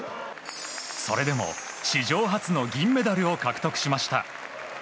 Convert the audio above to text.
それでも史上初の銀メダルを獲得しました。